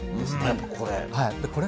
やっぱりこれ。